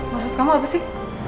maksud kamu apa sih